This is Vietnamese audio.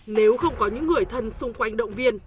nếu không có những người thân xung quanh động viên